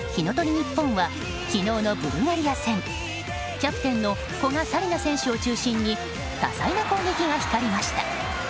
ＮＩＰＰＯＮは昨日のブルガリア戦キャプテンの古賀紗理那選手を中心に多彩な攻撃が光りました。